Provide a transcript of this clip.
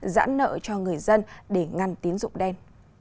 giãn nợ cho người dân để ngăn tiến dụng đen